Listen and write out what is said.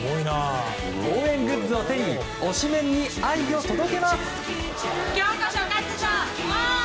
応援グッズを手に推しメンに愛を届けます。